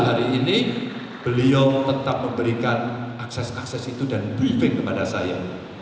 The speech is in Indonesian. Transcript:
hari ini beliau tetap memberikan akses akses itu dan briefing kepada saya